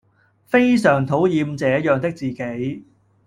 非常討厭這樣的自己